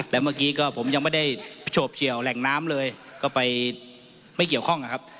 แล้วเมื่อกี้ก็ผมยังไม่ได้โฉบเฉียวแหล่งน้ำเลยก็ไปไม่เกี่ยวข้องนะครับ